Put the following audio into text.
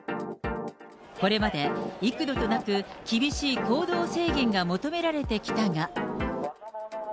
これまで、いくどとなく厳しい行動制限が求められてきたが。